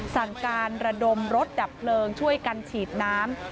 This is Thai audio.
สั่งการระดมรถดับเพลิงช่วยกันฉีดน้ำ